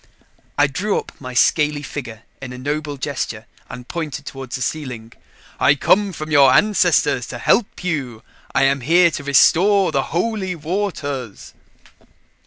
I drew up my scaly figure in a noble gesture and pointed toward the ceiling. "I come from your ancestors to help you. I am here to restore the Holy Waters."